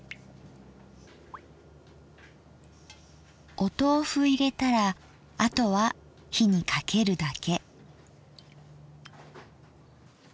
おとうふ入れたらあとは火にかけるだけ。